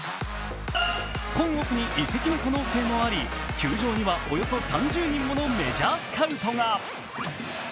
今オフに移籍の可能性もあり球場にはおよそ３０人ものメジャースカウトが。